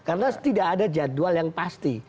karena tidak ada jadwal yang pasti